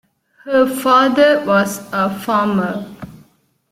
Her father was a farmer.